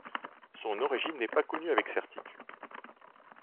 Son origine n'est pas connue avec certitude.